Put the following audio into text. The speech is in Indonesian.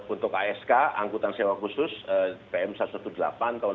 untuk ask angkutan sewa khusus pm satu ratus delapan belas tahun dua ribu